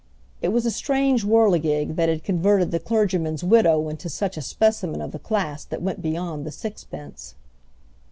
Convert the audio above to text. It was a strange whirligig that had converted the clergyman's widow into such a specimen of the class that went beyond the sixpence.